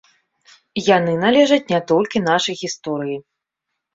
Яны належаць не толькі нашай гісторыі.